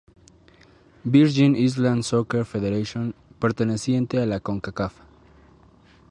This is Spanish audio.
Virgin Islands Soccer Federation, perteneciente a la Concacaf.